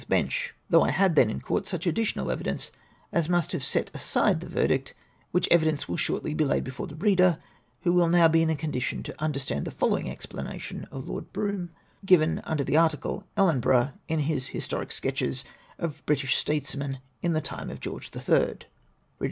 of Kiim 's Bciicli, tlioiiuli I liad then in court sucli additional evidence as nuist luive set aside the ver dict, which evidence will shortly be laid before the reader Avho will now be in a condition to under stand the following explanation of Lord Brougham, given, under the article " EUenborough," in his " His toric Sketches of British Statesmen in the time of George the Third."